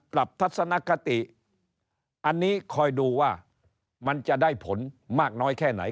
ทัศนคติอันนี้คอยดูว่ามันจะได้ผลมากน้อยแค่ไหน